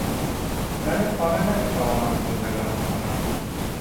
در این خانه نمیتوانم زندگانی کنم